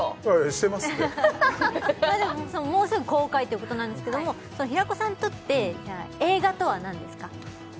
してますっていやでももうすぐ公開ということなんですけども平子さんにとって映画とは何ですか？